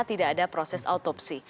tidak ada proses autopsi